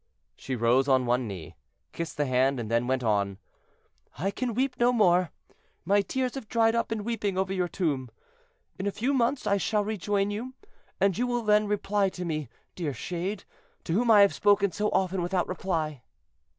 She rose on one knee, kissed the hand, and then went on: "I can weep no more—my tears have dried up in weeping over your tomb. In a few months I shall rejoin you, and you then will reply to me, dear shade, to whom I have spoken so often without reply."